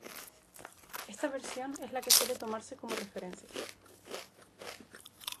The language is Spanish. Esta versión es la que suele tomarse como referencia.